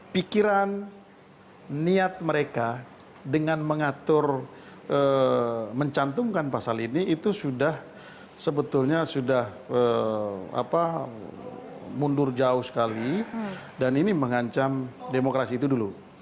pikiran niat mereka dengan mengatur mencantumkan pasal ini itu sudah sebetulnya sudah mundur jauh sekali dan ini mengancam demokrasi itu dulu